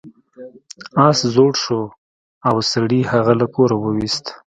اس زوړ شو او سړي هغه له کوره وویست.